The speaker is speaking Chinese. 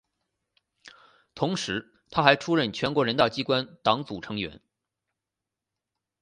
同时她还出任全国人大机关党组成员。